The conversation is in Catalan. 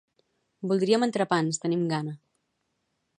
Voldríem entrepans, tenim gana.